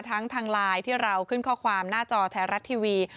ทางไลน์ที่เราขึ้นข้อความหน้าจอไทยรัฐทีวี